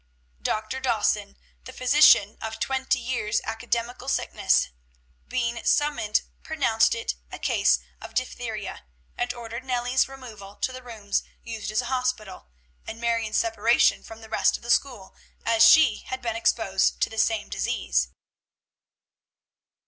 Dr. Dawson, the physician of twenty years' academical sickness, being summoned, pronounced it a case of diphtheria, and ordered Nellie's removal to the rooms used as a hospital, and Marion's separation from the rest of the school, as she had been exposed to the same disease.